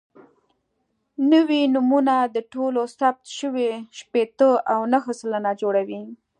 نوي نومونه د ټولو ثبت شویو شپېته او نهه سلنه جوړوي.